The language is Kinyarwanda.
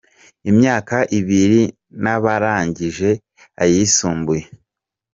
imyaka ibiri n’abarangije ayisumbuye.